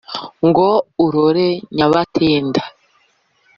ngo urore nyabatenda